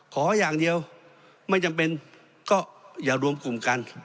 ขออย่างเดียวไม่จำเป็นก็อย่ารวมกลุ่มกัน